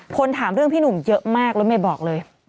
คนถามเรื่องพี่หนุ่มเยอะมากรถเมย์บอกเลย